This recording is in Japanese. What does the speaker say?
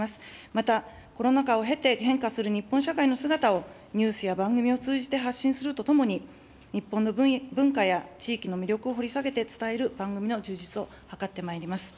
また、コロナ禍を経て、変化する日本社会の姿を、ニュースや番組を通じて発信するとともに、日本の文化や地域の魅力を掘り下げて伝える番組の充実を図ってまいります。